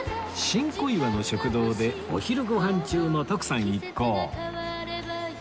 新小岩の食堂でお昼ご飯中の徳さん一行